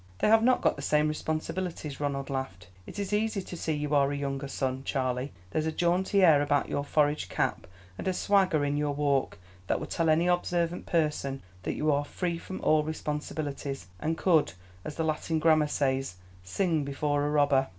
"They have not got the same responsibilities," Ronald laughed. "It is easy to see you are a younger son, Charley; there's a jaunty air about your forage cap and a swagger in your walk, that would tell any observant person that you are free from all responsibilities, and could, as the Latin grammar says, sing before a robber."